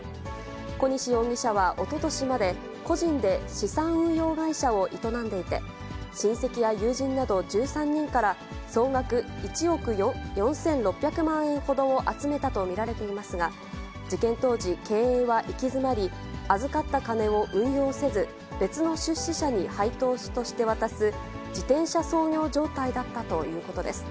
小西容疑者はおととしまで、個人で資産運用会社を営んでいて、親戚や友人など１３人から、総額１億４６００万円ほどを集めたと見られていますが、事件当時、経営は行き詰まり、預かった金を運用せず、別の出資者に配当として渡す、自転車操業状態だったということです。